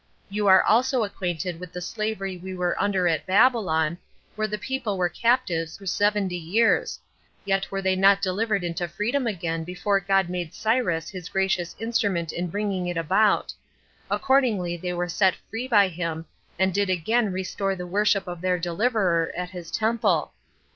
You are also acquainted with the slavery we were under at Babylon, where the people were captives for seventy years; yet were they not delivered into freedom again before God made Cyrus his gracious instrument in bringing it about; accordingly they were set free by him, and did again restore the worship of their Deliverer at his temple.